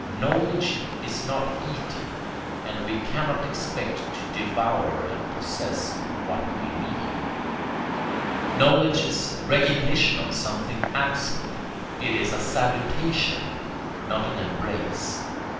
Knowledge is not eating, and we cannot expect to devour and possess what we mean. Knowledge is recognition of something absent; it is a salutation, not an embrace.